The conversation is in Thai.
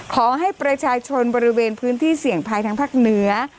ขอให้ประชาชนบริเวณพื้นที่เสี่ยงภัยทางภาคเหนือ